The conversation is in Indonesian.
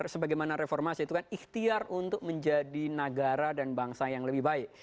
sebagaimana reformasi itu kan ikhtiar untuk menjadi negara dan bangsa yang lebih baik